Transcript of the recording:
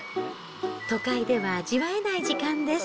都会では味わえない時間です。